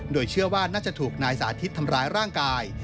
โดยเชื่อว่าน่าจะถูกนายสาธิตทำร้ายร่างกาย